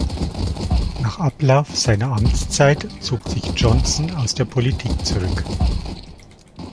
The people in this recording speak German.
Nach Ablauf seiner Amtszeit zog sich Johnson aus der Politik zurück.